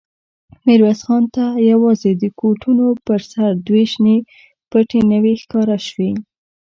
ميرويس خان ته يواځې د کوټونو پر سر دوې شنې پټې نوې ښکاره شوې.